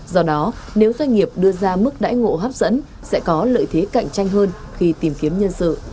do đó nếu doanh nghiệp đưa ra mức đãi ngộ hấp dẫn sẽ có lợi thế cạnh tranh hơn khi tìm kiếm nhân sự